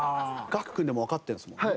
楽君でもわかってるんですもんね？